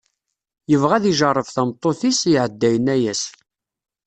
yebɣa ad d-ijerreb tameṭṭut-is, iɛedda yenna-as.